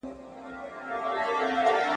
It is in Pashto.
غل په غره کي هم ځای نه لري ..